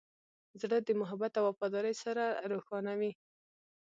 زړه د محبت او وفادارۍ سره روښانه وي.